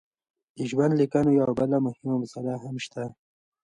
د ژوندلیکونو یوه بله مهمه مساله هم شته.